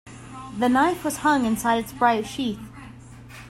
The knife was hung inside its bright sheath.